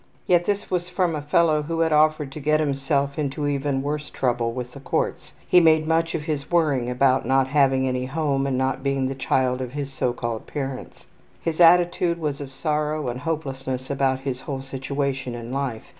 Yet this was from a fellow who had offered to get himself into even worse trouble with the courts. He made much of his worrying about not having any home and not being the child of his so called parents. His attitude was of sorrow and hopelessness about his whole situation in life.